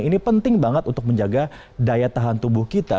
ini penting banget untuk menjaga daya tahan tubuh kita